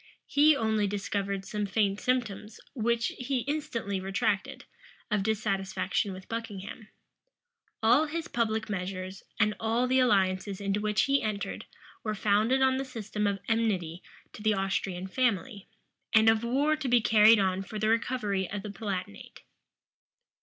He only discovered some faint symptoms, which he instantly retracted, of dissatisfaction with Buckingham. All his public measures, and all the alliances into which he entered, were founded on the system of enmity to the Austrian family, and of war to be carried on for the recovery of the Palatinate.